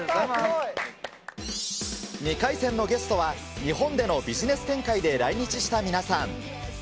２回戦のゲストは、日本でのビジネス展開で来日した皆さん。